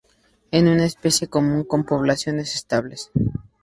Es una especie común, con poblaciones estables.